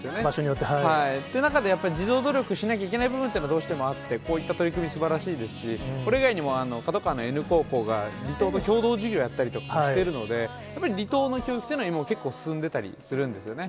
って中で、自助努力しなきゃいけない部分っていうのはどうしてもあって、こういった取り組み、すばらしいですし、これ以外にもＫＡＤＯＫＡＷＡのＮ高校が離島で共同授業やってたりするので、離島授業っていうのは今、結構進んでたりするんですよね。